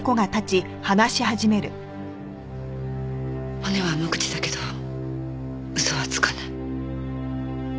骨は無口だけど嘘はつかない。